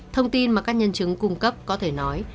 thông tin mà các nhân chứng cung cấp có thể nói